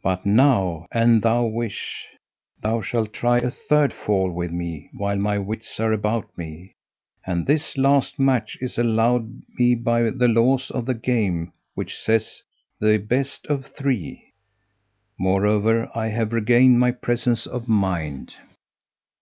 But now, an thou wish, thou shalt try a third fall with me while my wits are about me, and this last match is allowed me by the laws of the game which sayeth the best of three: moreover I have regained my presence of mind."